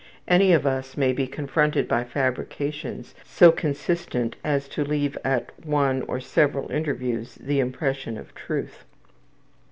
Any of us may be confronted by fabrications so consistent as to leave at one or several interviews the impression of truth.